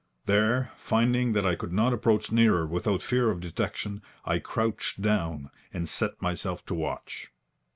There, finding that I could not approach nearer without fear of detection, I crouched down, and set myself to watch.